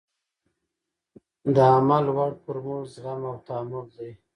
د عمل وړ فورمول زغم او تحمل دی.